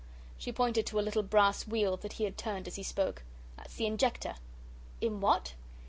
She pointed to a little brass wheel that he had turned as he spoke. "That's the injector." "In what?"